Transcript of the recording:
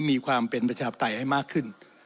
มีความเป็นประชาปไตยให้มากขึ้น